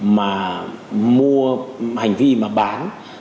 mà mua hành vi mà bán